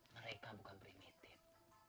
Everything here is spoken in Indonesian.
mereka bukan primitif